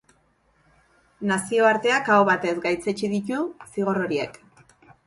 Nazioarteak aho batez gaitzetsi ditu zigor horiek.